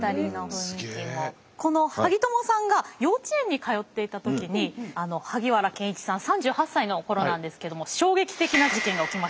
このハギトモさんが幼稚園に通っていた時に萩原健一さん３８歳の頃なんですけども衝撃的な事件が起きました。